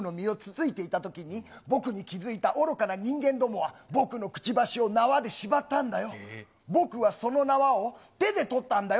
先日僕が畑でいちじくの実をつついていたときに、僕に気付いた愚かな人間どもは僕のくちばしを縄で縛ったんだよ。